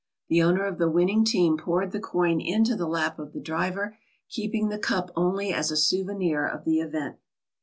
The owner of the win ning team poured the coin into the lap of the driver, keeping the cup only as a souvenir of the event.